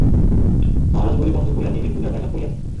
মহারাজ বলি বন্ধ করিয়া দেবীর পূজার ব্যাঘাত করিয়াছেন।